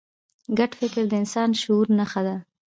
ګډ فکر د انسان د شعور نښه ده.